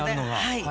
はい。